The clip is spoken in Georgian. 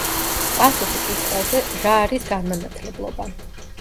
პასუხი კითხვაზე: რა არის განმანათლებლობა?